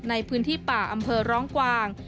ในพื้นที่ป่าอำเภอร้องกวาง